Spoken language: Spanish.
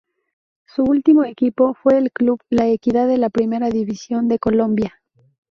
Su último equipo fue el club La Equidad de la Primera División de Colombia.